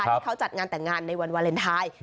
ที่เขาจัดงานแต่งงานในวันวาเลนไทย